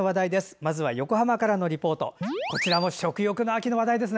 まずは横浜からのリポートです。